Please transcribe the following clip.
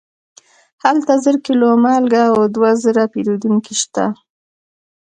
هلته زر کیلو مالګه او دوه زره پیرودونکي شته.